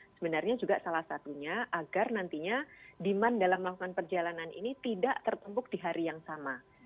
sebenarnya juga salah satunya agar nantinya demand dalam melakukan perjalanan ini tidak tertumpuk di hari yang sama